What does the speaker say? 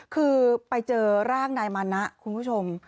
คือไปเจอร่างนายมานะคุณผู้ชม